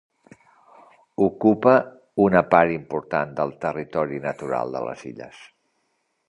Ocupa una part important del territori natural de les Illes.